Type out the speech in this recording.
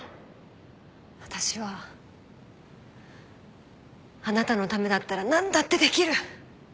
私はあなたのためだったらなんだってできる！